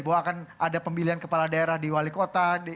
bahwa akan ada pemilihan kepala daerah di wali kota